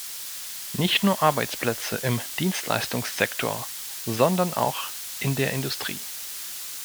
Nicht nur Arbeitsplätze im Dienstleistungssektor, sondern auch in der Industrie.